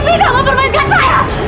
bidang gak bermain dengan saya